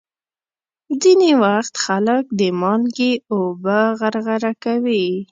ځینې وخت خلک د مالګې اوبه غرغره کوي.